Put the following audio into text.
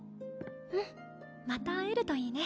うん。また会えるといいね。